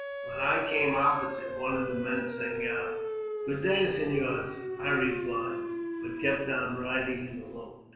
When I came opposite, one of the men" sang out, *' Good day, senors." I replied, but kept on riding in a lope.